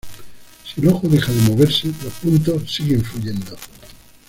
Si el ojo deja de moverse, los puntos siguen fluyendo.